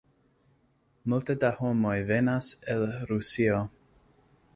Multe da homoj venas el Rusio.